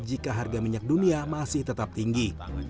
jika harga minyak dunia masih tetap tinggi